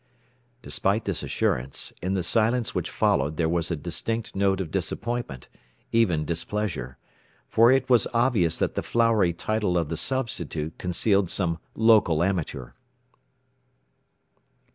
Despite this assurance, in the silence which followed there was a distinct note of disappointment, even displeasure. For it was obvious that the flowery title of the substitute concealed some local amateur.